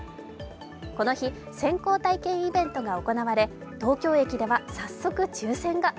この日、先行体験イベントが行われ東京駅では早速抽選が。